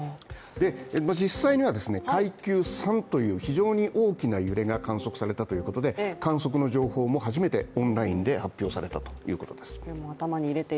実際には階級３という非常に大きな揺れが観測されたということで観測の情報も初めてオンラインで発表されたということです。